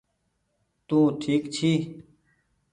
تونٚ ٺيڪ ڇي